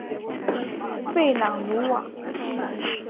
弗朗努瓦。